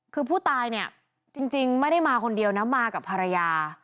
คือผู้ตายเนี่ยจริงไม่ได้มาคนเดียวนะมากับภรรยา